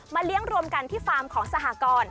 เลี้ยงรวมกันที่ฟาร์มของสหกร